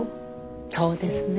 そうですね。